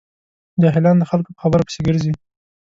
جاهلان د خلکو په خبرو پسې ګرځي.